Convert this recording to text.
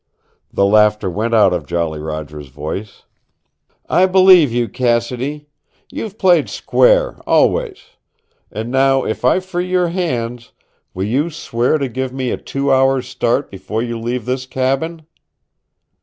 The laughter went out of Jolly Roger's voice. "I believe you, Cassidy. You've played square always. And now if I free your hands will you swear to give me a two hours' start before you leave this cabin?"